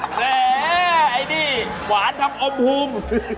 แหละไอ้นี่หวานทำอมฮุม